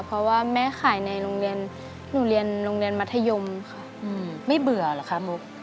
เพราะว่าแม่ขายในโรงเรียนหนูเรียนโรงเรียนมัธยมค่ะไม่เบื่อเหรอคะมุก